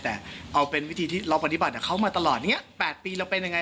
แต่เอาเป็นวิธีที่เราปฏิบัติเขามาตลอดแปดปีเราเป็นยังไง